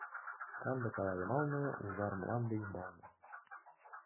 Канде кава йымалне, ужар мланде ӱмбалне